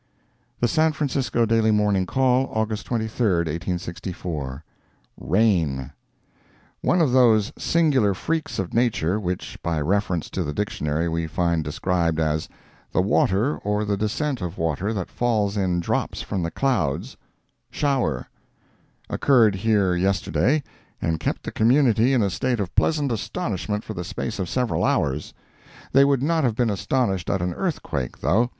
The San Francisco Daily Morning Call, August 23, 1864 RAIN One of those singular freaks of Nature which, by reference to the dictionary, we find described as "the water or the descent of water that falls in drops from the clouds—shower," occurred here yesterday, and kept the community in a state of pleasant astonishment for the space of several hours. They would not have been astonished at an earthquake, though.